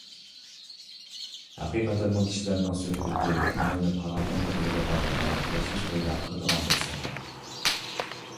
ھەقىقەتەنمۇ كىشىلەرنىڭ سۆھبىتى كۆڭۈلنى پاراكەندە قىلىدىغان ۋە تەشۋىش پەيدا قىلىدىغان بىر سەۋەب.